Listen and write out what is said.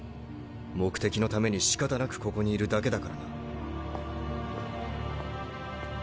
目的のために仕方なくここにいるだけだからな。